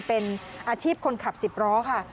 เป็นอาชีพคนขับ๑๐ล้อค่ะ